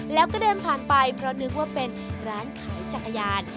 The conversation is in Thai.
แล้วก็เดินผ่านไปเพราะนึกว่าเป็นร้านขายจักรยาน